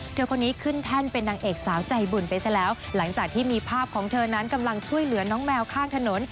เธอคนนี้ขึ้นแท่นเป็นนางเอกสาวใจบุญไปซะแล้วหลังจากที่มีภาพของเธอนั้นกำลังช่วยเหลือน้องแมวข้างถนน